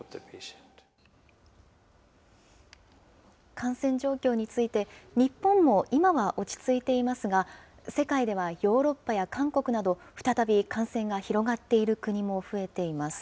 感染状況について、日本も今は落ち着いていますが、世界ではヨーロッパや韓国など、再び感染が広がっている国も増えています。